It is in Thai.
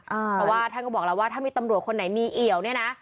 เพราะว่าท่านก็บอกแล้วว่าถ้ามีตำรวจคนไหนมีเอี่ยวเนี่ยนะ